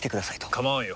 構わんよ。